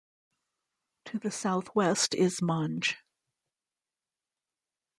To the southwest is Monge.